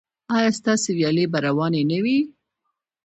ایا ستاسو ویالې به روانې نه وي؟